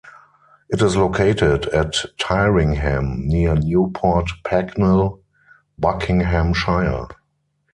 It is located at Tyringham near Newport Pagnell, Buckinghamshire.